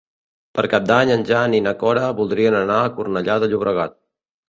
Per Cap d'Any en Jan i na Cora voldrien anar a Cornellà de Llobregat.